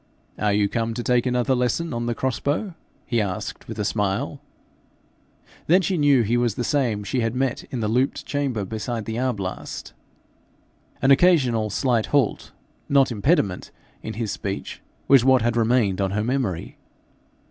'Are you come to take another lesson on the cross bow?' he asked with a smile. Then she knew he was the same she had met in the looped chamber beside the arblast. An occasional slight halt, not impediment, in his speech, was what had remained on her memory.